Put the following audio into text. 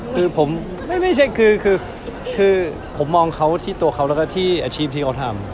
คือผมไม่ใช่คือผมมองเขาที่ตัวเขาแล้วก็ที่อาชีพที่เขาทำ